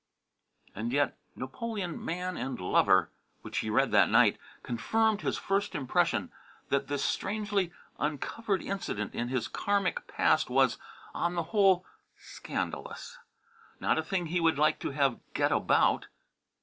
And yet "Napoleon, Man and Lover," which he read that night, confirmed his first impression that this strangely uncovered incident in his Karmic past was, on the whole, scandalous; not a thing he would like to have "get about."